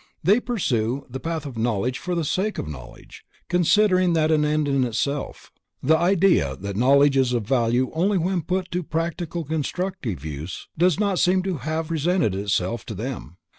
They pursue the path of knowledge for the sake of knowledge, considering that an end in itself. The idea that knowledge is of value only when put to practical constructive use does not seem to have presented itself to them.